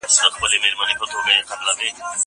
که وخت وي، مړۍ پخوم؟!